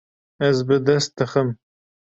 Ez bi dest dixim.